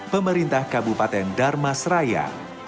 pemerintah kabupaten darmasraya